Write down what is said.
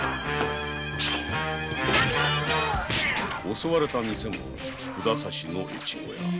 襲われた店も札差しの越後屋。